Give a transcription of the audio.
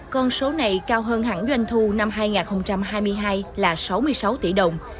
con số này cao hơn hẳn doanh thu năm hai nghìn hai mươi hai là sáu mươi sáu tỷ đồng